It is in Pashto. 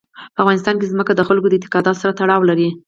په افغانستان کې ځمکه د خلکو د اعتقاداتو سره تړاو لري.